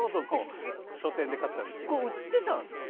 これ、売ってたんですか？